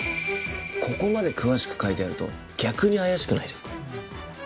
ここまで詳しく書いてあると逆に怪しくないですか？